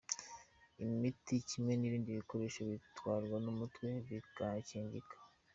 Imiti kimwe n’ibindi bikoresho bitwarwa ku mutwe bikangirika.